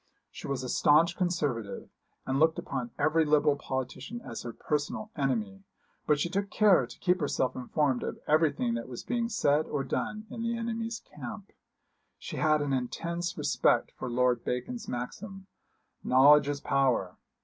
She was a staunch Conservative, and looked upon every Liberal politician as her personal enemy; but she took care to keep herself informed of everything that was being said or done in the enemy's camp. She had an intense respect for Lord Bacon's maxim: Knowledge is power.